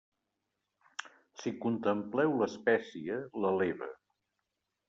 Si contempleu l'espècie, l'eleva.